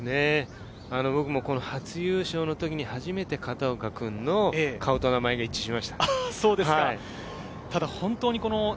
僕も初優勝の時に初めて片岡君の顔と名前が一致しました。